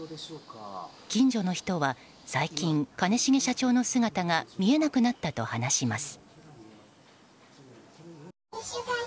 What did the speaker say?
近所の人は、最近兼重社長の姿が見えなくなったと話します。